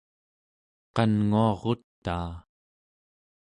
qannguarutaa